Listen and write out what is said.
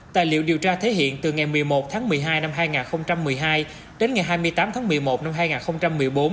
tài liệu điều tra thể hiện từ ngày một mươi một tháng một mươi hai năm hai nghìn một mươi hai đến ngày hai mươi tám tháng một mươi một năm hai nghìn một mươi bốn